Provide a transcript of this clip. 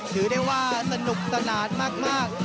ถือได้ว่าสนุกสนานมาก